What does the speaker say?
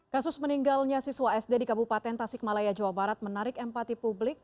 kasus meninggalnya siswa sd di kabupaten tasikmalaya jawa barat menarik empati publik